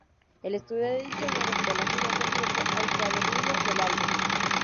El estudio de diseño adaptó las ideas del grupo al cuadernillo del álbum.